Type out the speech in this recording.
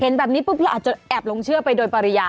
เห็นแบบนี้ปุ๊บเราอาจจะแอบลงเชื่อไปโดยปริญญา